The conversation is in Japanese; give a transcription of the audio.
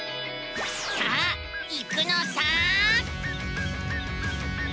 さあ行くのさ！